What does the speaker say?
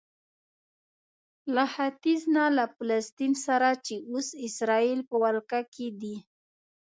له ختیځ نه له فلسطین سره چې اوس اسراییل په ولکه کې دی.